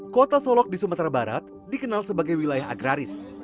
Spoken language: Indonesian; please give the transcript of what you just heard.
kota solok di sumatera barat dikenal sebagai wilayah agraris